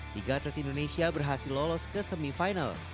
tiga atlet indonesia berhasil lolos ke semi final